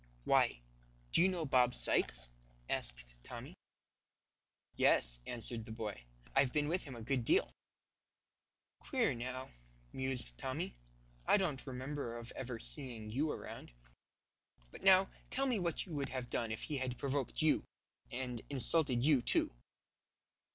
"Why, do you know Bob Sykes?" asked Tommy. "Yes," answered the boy, "I've been with him a good deal." "Queer now," mused Tommy. "I don't remember of ever seeing you around. But now tell me what you would have done if he had provoked you, and insulted you, too?"